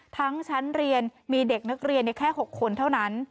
ชั้นเรียนมีเด็กนักเรียนแค่๖คนเท่านั้น